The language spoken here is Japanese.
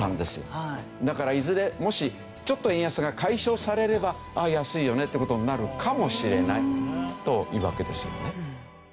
だからいずれもしちょっと円安が解消されれば安いよねっていう事になるかもしれないというわけですよね。